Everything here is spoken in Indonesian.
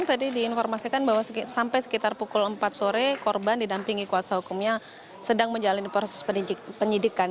tadi diinformasikan bahwa sampai sekitar pukul empat sore korban didampingi kuasa hukumnya sedang menjalani proses penyidikan